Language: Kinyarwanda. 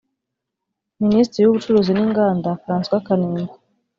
Minisitiri w’ubucuruzi n’Inganda François Kanimba